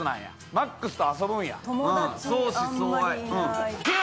マックスと遊ぶんや。